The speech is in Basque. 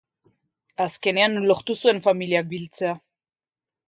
Azkenean, lortu zuen familiak biltzea.